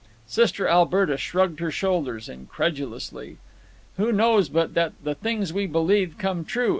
Sister Alberta shrugged her shoulders incredulously. "Who knows but that the things we believe come true?"